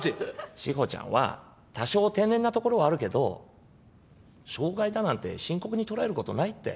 志保ちゃんは多少天然なところはあるけど障害だなんて深刻に捉える事ないって。